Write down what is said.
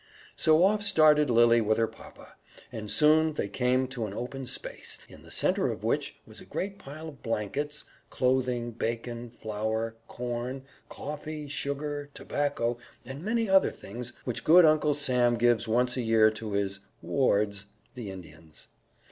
So off started Lily with her papa, and soon they came to an open space, in the center of which was a great pile of blankets, clothing, bacon, flour, corn, coffee, sugar, tobacco and many other things which good Uncle Sam gives once a year to his "wards," the Indians.